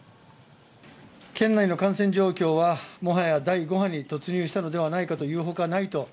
県内の感染状況は、もはや第５波に突入したのではないかというほかないと。